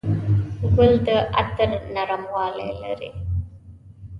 ګل د عطر نرموالی لري.